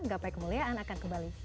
gapai kemuliaan akan kembali